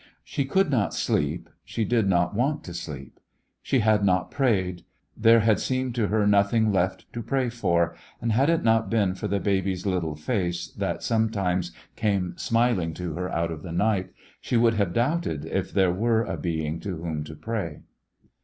She could not sleep, she did not want to sleep. She had not prayed; there had seemed to her nothing left to pray for, and had it not been for the baby's little face that sometimes came smiling to her out of the night, she would have doubted if there were a Being to Whom to pray.